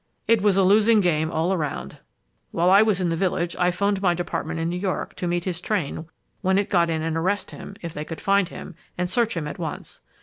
"It was a losing game all around. While I was in the village, I 'phoned my department in New York to meet his train when it got in and arrest him, if they could find him, and search him at once.